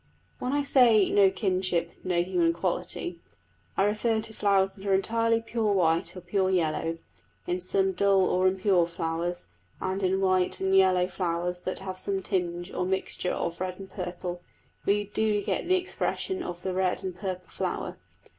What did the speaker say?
When I say "no kinship, no human quality," I refer to flowers that are entirely pure white or pure yellow; in some dull or impure yellows, and in white and yellow flowers that have some tinge or mixture of red or purple, we do get the expression of the red and purple flower.